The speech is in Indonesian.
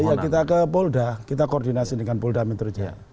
oh iya kita ke polda kita koordinasi dengan polda menteri jalan